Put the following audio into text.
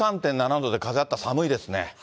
１３．７度で風あったら、寒いですね。